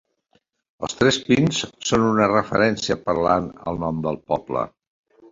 Els tres pins són una referència parlant al nom del poble.